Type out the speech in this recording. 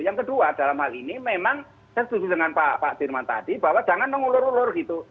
yang kedua dalam hal ini memang saya setuju dengan pak dirman tadi bahwa jangan mengulur ulur gitu